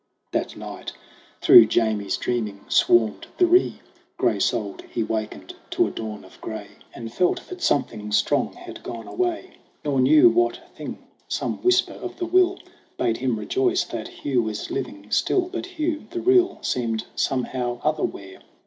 That night through Jamie's dreaming swarmed the Ree. Gray souled, he wakened to a dawn of gray, GRAYBEARD AND GOLDHAIR 21 And felt that something strong had gone away, Nor knew what thing. Some whisper of the will Bade him rejoice that Hugh was living still; But Hugh, the real, seemed somehow otherwhere.